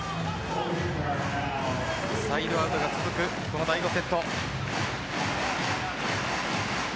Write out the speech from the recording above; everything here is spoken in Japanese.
サイドアウトが続くこの第５セット。